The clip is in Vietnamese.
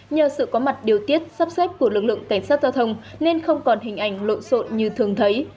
nhờ sự có mặt điều tiết sắp xếp của lực lượng cảnh sát giao thông nên không còn hình ảnh lộn xộn như thường thấy